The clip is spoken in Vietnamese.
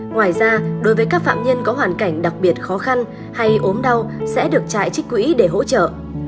ngoài ra đối với các phạm nhân có hoàn cảnh đặc biệt khó khăn hay ốm đau sẽ được chạy trích quỹ để hỗ trợ